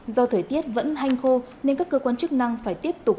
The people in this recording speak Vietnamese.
do thời tiết vẫn hanh khô nên các cơ quan chức năng phải tiếp tục